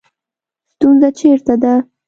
ستونزه چېرته ده